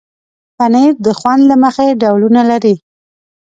پنېر د خوند له مخې ډولونه لري.